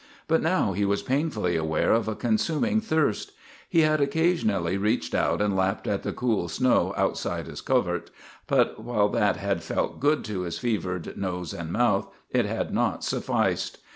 But now he was painfully aware of a consuming thirst. He had occasionally reached out and lapped at the cool snow outside his covert, but while that had felt good to his fevered nose and mouth, it had not sufficed.